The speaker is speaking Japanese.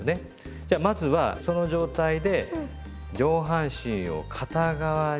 じゃあまずはその状態で上半身を片側にひねる。